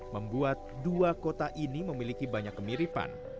membuat dua kota ini memiliki banyak kemiripan